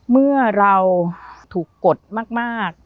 เมื่อเราถูกกดมาก